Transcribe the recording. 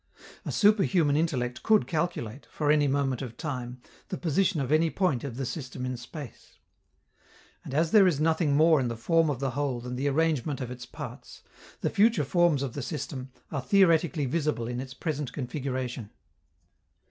A superhuman intellect could calculate, for any moment of time, the position of any point of the system in space. And as there is nothing more in the form of the whole than the arrangement of its parts, the future forms of the system are theoretically visible in its present configuration.